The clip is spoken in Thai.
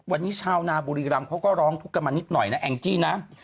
วันนี้ชาวนาบุรีรำเขาก็ร้องทุกข์กันมานิดหน่อยนะแองจี้นะ